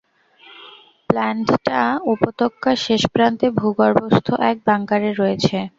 প্ল্যান্টটা উপত্যকার শেষপ্রান্তে ভূগর্ভস্থ এক বাঙ্কারে রয়েছে।